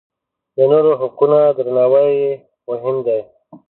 د نورو حقونه درناوی یې مهم دی.